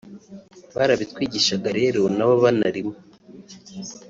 Barabitwigishaga rero na bo banarimo